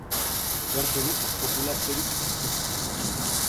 Uharte honek populaziorik ez du.